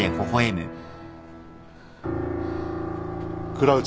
倉内。